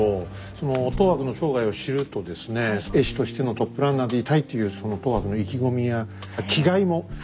その等伯の生涯を知るとですね絵師としてのトップランナーでいたいというその等伯の意気込みや気概も感じるし。